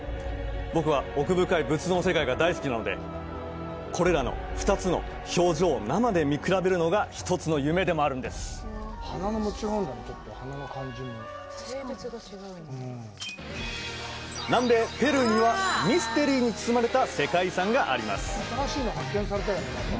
僕は奥深い仏像の世界が大好きなのでこれらの２つの表情を生で見比べるのが１つの夢でもあるんです南米・ペルーにはミステリーに包まれた世界遺産があります